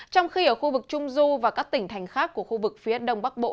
trong khi ở khu vực trung du và các tỉnh thành khác của khu vực phía đông bắc bộ